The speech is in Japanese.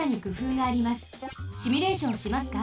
シミュレーションしますか？